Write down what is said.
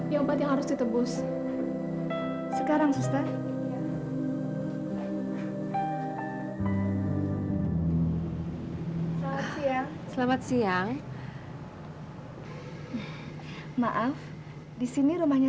ya jangan sepenuhnya